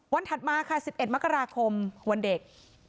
ถัดมาค่ะ๑๑มกราคมวันเด็ก